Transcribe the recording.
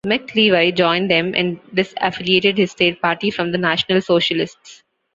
McLevy joined them and disaffiliated his state party from the national Socialists.